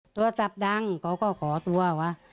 โทรศัพท์ดังเขาก็ขอตัวว่า